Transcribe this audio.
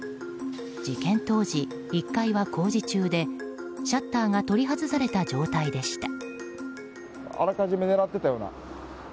事件当時１階は工事中でシャッターが取り外された状態でした。